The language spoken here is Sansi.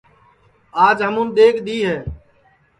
آج ہمون ڈؔیگ دؔی ہے